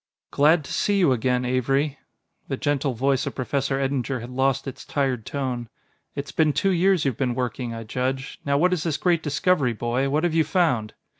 "Glad to see you again, Avery." The gentle voice of Professor Eddinger had lost its tired tone. "It's been two years you've been working, I judge. Now what is this great discovery, boy? What have you found?"